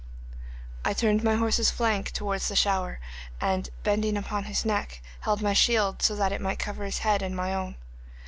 I turned my horse's flank towards the shower, and, bending over his neck, held my shield so that it might cover his head and my own.